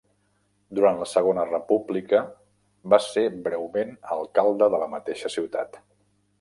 Durant la segona república va ser breument alcalde de la mateixa ciutat.